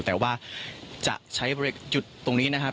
แต่ว่าจะใช้จุดตรงนี้นะครับ